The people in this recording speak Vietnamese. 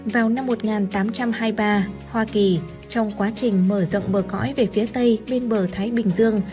vào năm một nghìn tám trăm hai mươi ba hoa kỳ trong quá trình mở rộng bờ cõi về phía tây bên bờ thái bình dương